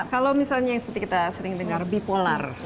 kalau misalnya yang seperti kita sering dengar bipolar